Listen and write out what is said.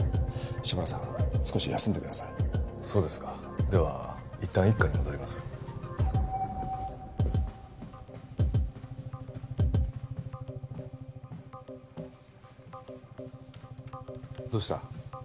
志村さん少し休んでくださいそうですかではいったん一課に戻りますどうした？